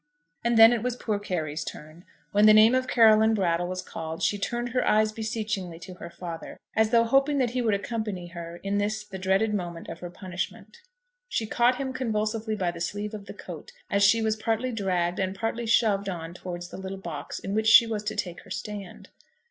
And then it was poor Carry's turn. When the name of Caroline Brattle was called she turned her eyes beseechingly to her father, as though hoping that he would accompany her in this the dreaded moment of her punishment. She caught him convulsively by the sleeve of the coat, as she was partly dragged and partly shoved on towards the little box in which she was to take her stand.